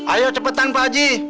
ayo cepetan pak haji